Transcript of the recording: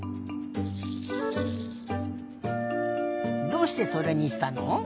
どうしてそれにしたの？